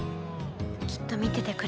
きっと見ててくれてる。